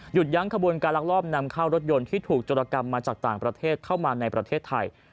ยั้งขบวนการลักลอบนำเข้ารถยนต์ที่ถูกจรกรรมมาจากต่างประเทศเข้ามาในประเทศไทย